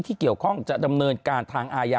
ที่เกี่ยวข้องจะดำเนินการทางอาญา